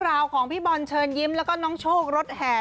ราวของพี่บอลเชิญยิ้มแล้วก็น้องโชครถแห่